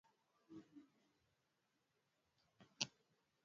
usika kwa njia moja ama nyengine kwa ghasia hizo